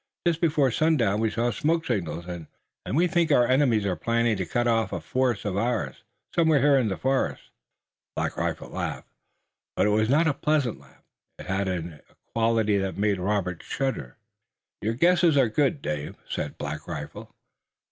Just before sundown we saw smoke signals and we think our enemies are planning to cut off a force of ours, somewhere here in the forest." Black Rifle laughed, but it was not a pleasant laugh. It had in it a quality that made Robert shudder. "Your guesses are good, Dave," said Black Rifle.